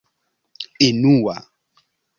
enua